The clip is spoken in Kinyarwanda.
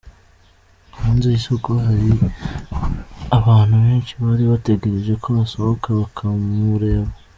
Hanze y'isoko hari abantu benshi bari bategereje ko asohoka bakamureba.